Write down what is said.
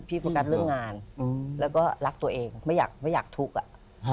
โฟกัสเรื่องงานแล้วก็รักตัวเองไม่อยากไม่อยากทุกข์อ่ะ